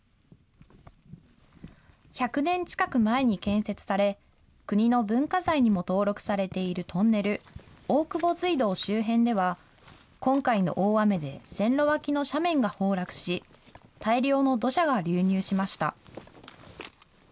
１００年近く前に建設され、国の文化財にも登録されているトンネル、大久保ずい道周辺では、今回の大雨で線路脇の斜面が崩落し、大量の土砂が流入しました。